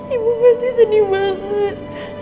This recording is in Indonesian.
ibu pasti sedih banget